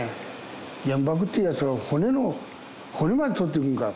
原爆ってやつは、骨まで取っていくんか。